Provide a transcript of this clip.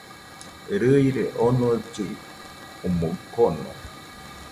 Rɨire onollɨ omɨ kono